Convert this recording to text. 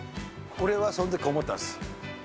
俺はそのときこう思ったんです。